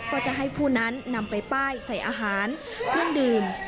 ก็จะให้ผู้นั้นนำไปป้ายใส่อาหารเครื่องดื่ม